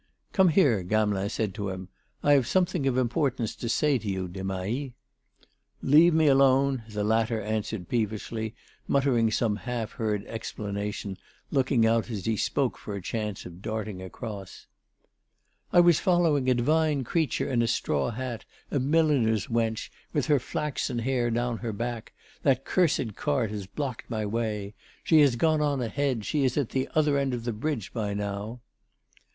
"Come here," Gamelin said to him, "I have something of importance to say to you, Desmahis." "Leave me alone," the latter answered peevishly, muttering some half heard explanation, looking out as he spoke for a chance of darting across: "I was following a divine creature, in a straw hat, a milliner's wench, with her flaxen hair down her back; that cursed cart has blocked my way.... She has gone on ahead, she is at the other end of the bridge by now!"